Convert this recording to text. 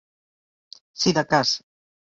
Si de cas.